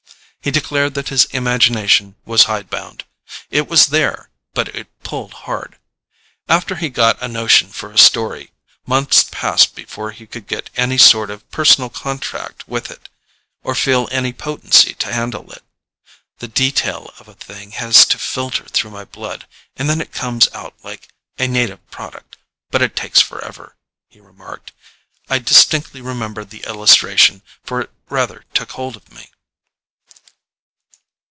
He declared that his imagination was hide bound; it was there, but it pulled hard. After he got a notion for a story, months passed before he could get any sort of personal contract with it, or feel any potency to handle it. "The detail of a thing has to filter through my blood, and then it comes out like a native product, but it takes forever," he remarked. I distinctly remember the illustration, for it rather took hold of me.